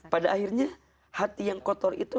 pada akhirnya hati yang kotor itu